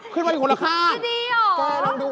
ขึ้นมาอยู่คนละข้าง